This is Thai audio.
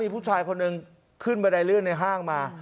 ผู้ชายคนหนึ่งขึ้นบันไดเลื่อนในห้างมา